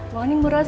selamat pagi bu rosa